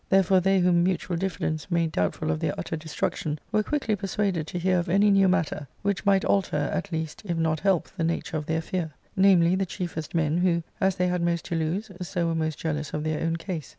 Therefore they whom mutual diffidence made doubtful of their utter destruction wer^ quickly persuaded to hear of any new matter which might alter, at least, if not help the nature of their fear ; namely, the chiefest men, who, as they had most to lose, so were most jealous of their own case.